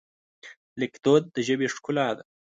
لیکدود د ژبې ښکلا ده.